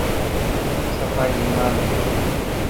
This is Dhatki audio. صفائي ايمان هي.